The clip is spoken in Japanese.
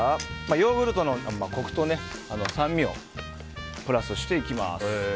ヨーグルトのコクと酸味をプラスしていきます。